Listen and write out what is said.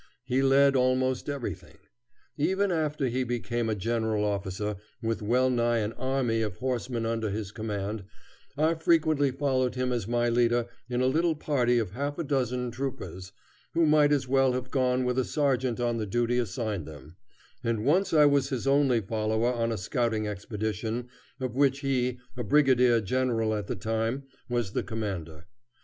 He led almost everything. Even after he became a general officer, with well nigh an army of horsemen under his command, I frequently followed him as my leader in a little party of half a dozen troopers, who might as well have gone with a sergeant on the duty assigned them; and once I was his only follower on a scouting expedition, of which he, a brigadier general at the time, was the commander.